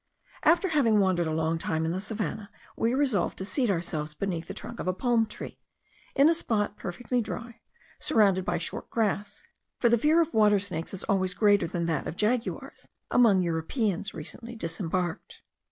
After having wandered a long time in the savannah, we resolved to seat ourselves beneath the trunk of a palm tree, in a spot perfectly dry, surrounded by short grass; for the fear of water snakes is always greater than that of jaguars among Europeans recently disembarked.